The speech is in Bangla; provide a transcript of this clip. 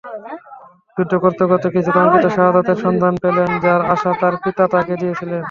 যুদ্ধ করতে করতে তিনি কাঙ্খিত শাহাদাতের সন্ধান পেলেন যার আশা তাঁর পিতা তাকে দিয়েছিলেন।